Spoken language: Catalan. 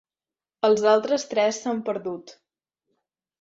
Els altres tres s'han perdut.